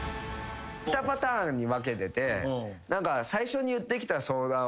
二パターンに分けてて。